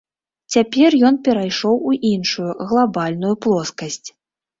Цяпер ён перайшоў у іншую, глабальную плоскасць.